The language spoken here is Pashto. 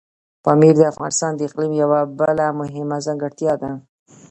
پامیر د افغانستان د اقلیم یوه بله مهمه ځانګړتیا ده.